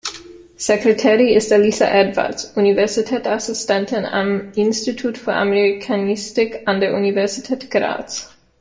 Secretary ist Elisa Edwards, Universitätsassistentin am Institut für Amerikanistik an der Universität Graz.